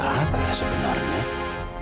apa yang aida sembunyikan dari aku